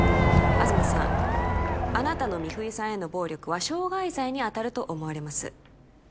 東さんあなたの美冬さんへの暴力は傷害罪に当たると思われます